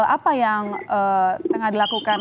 apa yang tengah dilakukan